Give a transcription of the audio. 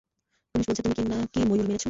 Police বলছে তুমি না-কি ময়ূর মেরেছ।